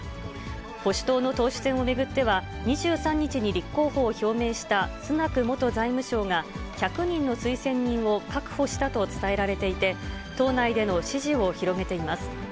保守党の党首選を巡っては、２３日に立候補を表明したスナク元財務相が、１００人の推薦人を確保したと伝えられていて、党内での支持を広げています。